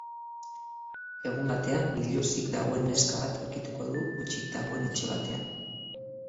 Egun batean biluzik dagoen neska bat aurkituko du hutsik dagoen etxe batean.